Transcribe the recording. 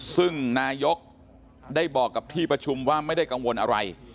ซึ่งนายกได้บอกกับที่ประชุมว่าไม่ได้กังวลอะไร